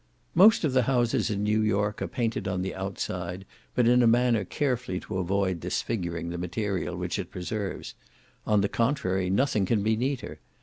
Most of the houses in New York are painted on the outside, but in a manner carefully to avoid disfiguring the material which it preserves: on the contrary, nothing can be neater.